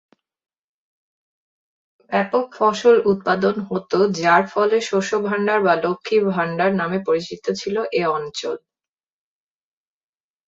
ব্যপক ফসল উৎপাদন হত যার ফলে শস্য ভান্ডার বা লক্ষ্মীর ভান্ডার নামে পরিচিত ছিল এ অঞ্চল।